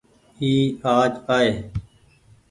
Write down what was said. اي آج آئي۔